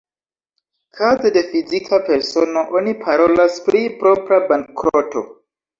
Kaze de fizika persono, oni parolas pri propra bankroto.